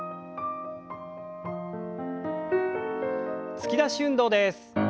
突き出し運動です。